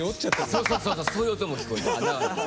そうそうそういう音も聞こえる。